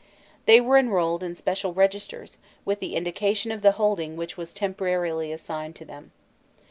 They were enrolled in special registers, with the indication of the holding which was temporarily assigned to them.